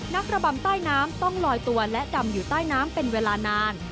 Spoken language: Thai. ระบำใต้น้ำต้องลอยตัวและดำอยู่ใต้น้ำเป็นเวลานาน